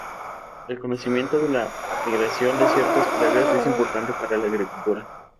El conocimiento de la migración de ciertas plagas es importante para la agricultura.